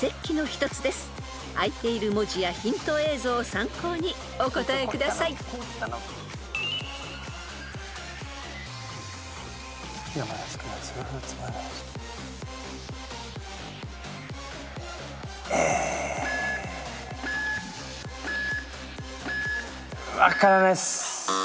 ［あいている文字やヒント映像を参考にお答えください］分からないっす。